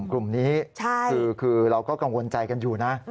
กลุ่มนี้คือเราก็กังวลใจกันอยู่นะ